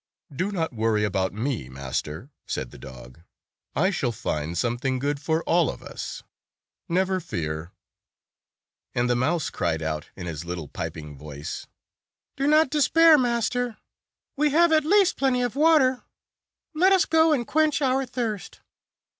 "Do not worry about me, master," said the dog; " I shall find something good for all of us. Never fear." And the mouse cried out in his little piping voice, "Do not despair, master. We have at 180 least plenty of water; let us go and quench our thirst."